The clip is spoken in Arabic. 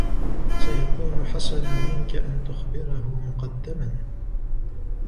سيكون حسنًا منك أن تخبره مقدمًا.